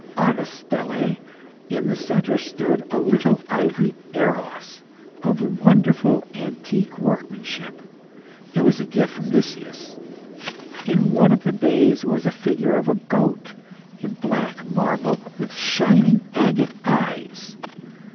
On a stele in the centre stood a little ivory Eros of wonderful antique workmanship. It was a gift from Nicias. In one of the bays was a figure of a goat in black marble, with shining agate eyes.